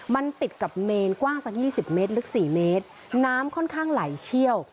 มันติดกับเมนกว้างสักยี่สิบเมตรลึกสี่เมตรน้ำค่อนข้างไหลเชี่ยว